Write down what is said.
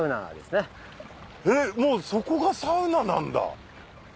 えっもうそこがサウナなんだ。